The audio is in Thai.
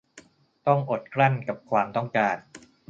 ต้องอดกลั้นกับความต้องการ